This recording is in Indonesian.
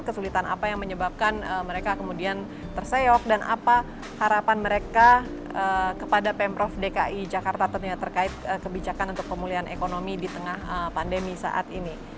kesulitan apa yang menyebabkan mereka kemudian terseok dan apa harapan mereka kepada pemprov dki jakarta tentunya terkait kebijakan untuk pemulihan ekonomi di tengah pandemi saat ini